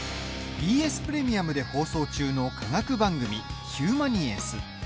ＢＳプレミアムで放送中の科学番組「ヒューマニエンス」。